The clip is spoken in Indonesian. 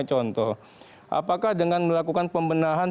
contoh apakah dengan melakukan pembenahan